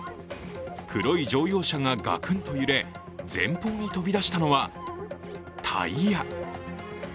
黒い乗用車がガクンと揺れ、前方に飛び出したのはタイヤ。